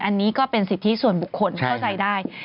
อันนี้ก็เป็นสิทธิส่วนบุคคลเข้าใจได้